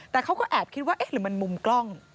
แต่เขาก็แอบคิดว่าเอ๊ะหรือมันมุมกล้อง